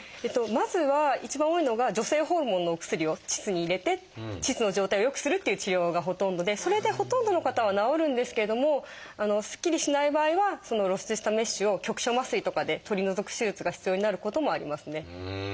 まずは一番多いのが女性ホルモンのお薬を腟に入れて腟の状態を良くするという治療がほとんどでそれでほとんどの方は治るんですけどもすっきりしない場合はその露出したメッシュを局所麻酔とかで取り除く手術が必要になることもありますね。